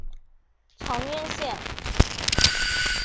长渊线